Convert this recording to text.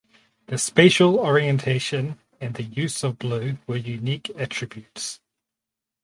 The spatial orientation and the use of blue were unique attributes.